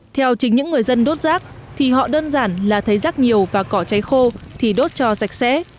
theo chính những người dân đốt rác thì họ đơn giản là thấy rác nhiều và cỏ cháy khô thì đốt cho sạch sẽ